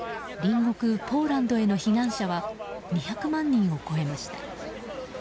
隣国ポーランドへの避難者は２００万人を超えました。